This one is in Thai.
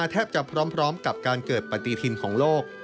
แทบจะพร้อมกับการเกิดปฏิทินของโลก